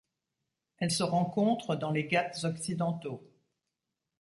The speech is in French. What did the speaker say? Elles se rencontrent dans les Ghâts occidentaux.